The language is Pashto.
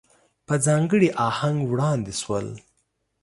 په ځانګړي آهنګ وړاندې شول.